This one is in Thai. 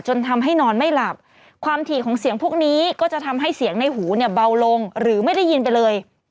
จนทำให้นอนไม่หลับความถี่ของเสียงพวกนี้ก็จะทำให้เสียงในหูเนี่ยเบาลงหรือไม่ได้ยินไปเลย